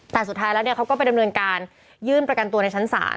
แต่สุดท้ายแล้วเนี่ยเขาก็ไปดำเนินการยื่นประกันตัวในชั้นศาล